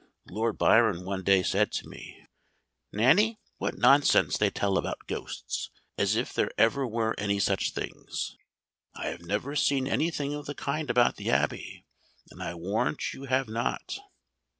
"Lord Byron one day said to me, 'Nanny, what nonsense they tell about ghosts, as if there ever were any such things. I have never seen any thing of the kind about the Abbey, and I warrant you have not.'